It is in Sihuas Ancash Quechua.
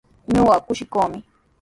Ñuqa kushikuumi.